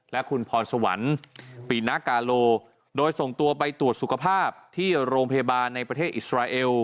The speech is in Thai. และคุณพรสวรรค์ปีนากาโลโดยส่งตัวไปตรวจสุขภาพที่โรงพยาบาลในประเทศอิสราเอล